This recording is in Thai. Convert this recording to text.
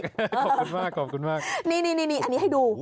ขอบคุณมากขอบคุณมากนี่อันนี้ให้ดู